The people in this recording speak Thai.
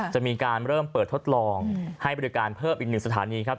จะมีการเริ่มเปิดทดลองให้บริการเพิ่มอีกหนึ่งสถานีครับ